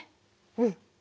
うん。